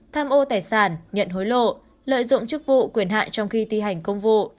thăm ô tài sản nhận hối lộ lợi dụng chức vụ quyền hại trong khi ti hành công vụ